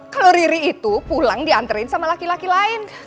kalau riri itu pulang diantarin sama laki laki lain